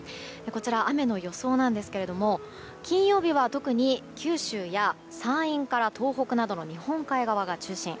雨の予想なんですが、金曜日は特に九州や山陰や東北などの日本海側が中心。